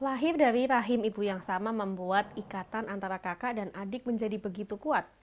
lahir dari rahim ibu yang sama membuat ikatan antara kakak dan adik menjadi begitu kuat